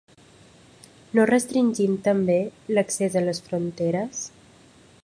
No restringim, també, l’accés a les fronteres?